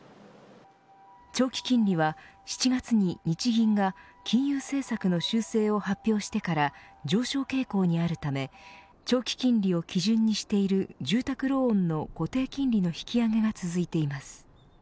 長期金利は、７月に日銀が金融政策の修正を発表してから上昇傾向にあるため長期金利を基準にしている住宅ローンの固定金利の引き上げが続いています。